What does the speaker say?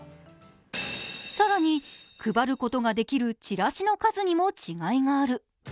更に、配ることができるチラシの数にも違いがある。